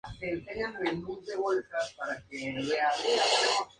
En la pág.